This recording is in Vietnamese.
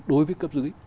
đối với cấp dưới